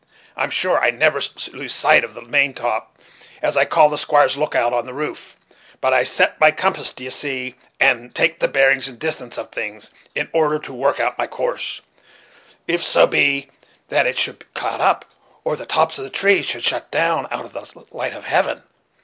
I'm sure I never lose sight of the main top, as I call the squire's lookout on the roof, but I set my compass, d'ye see, and take the bearings and distance of things, in order to work out my course, if so be that it should cloud up, or the tops of the trees should shut out the light of heaven.